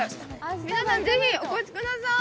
皆さん、ぜひお越しください。